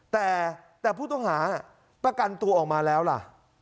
แต่ผู้ต้องหาประกันตัวออกมาแล้วล่ะ